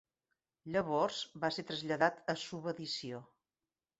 Llavors va ser traslladat a subedició.